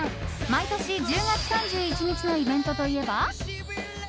毎年１０月３１日のイベントといえば。